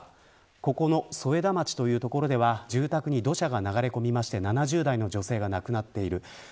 ここの添田町という所では住宅に土砂が流れ込みまして７０代の女性が亡くなっている。